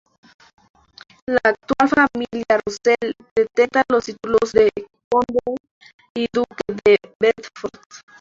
La actual familia Russell detenta los títulos de "Conde y Duque de Bedford".